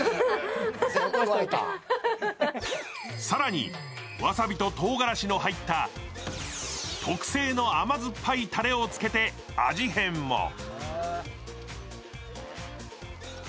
更にわさびととうがらしの入った特製の甘酸っぱいたれをつけて味変も。